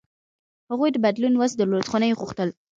هغوی د بدلون وس درلود، خو نه یې غوښتل.